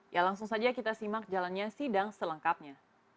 ya langsung saja kita simak jalannya sidang selengkapnya